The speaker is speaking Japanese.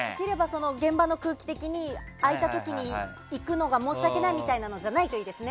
現場の空気的に行くのが申し訳ないみたいじゃないといいですね。